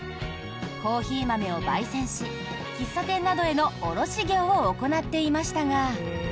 コーヒー豆を焙煎し喫茶店などへの卸業を行っていましたが。